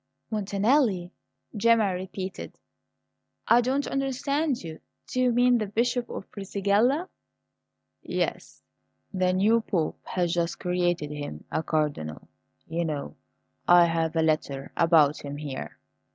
"Montanelli?" Gemma repeated. "I don't understand you. Do you mean the Bishop of Brisighella?" "Yes; the new Pope has just created him a Cardinal, you know. I have a letter about him here.